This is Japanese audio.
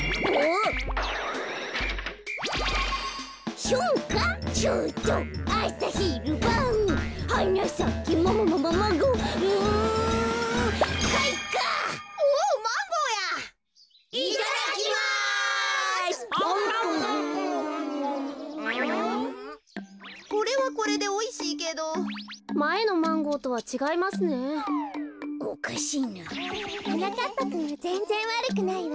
おかしいな。はなかっぱくんはぜんぜんわるくないわ。